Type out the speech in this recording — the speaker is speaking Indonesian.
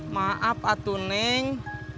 maaf atuh neng